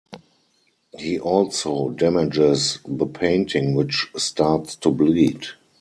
He also damages the painting, which starts to bleed.